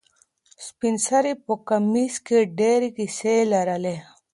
سپین سرې په کمیس کې ډېرې کیسې لرلې.